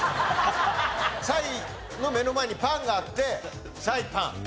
サイの目の前にパンがあってサイパン。